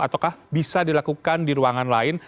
ataukah bisa dilakukan di ruangan lain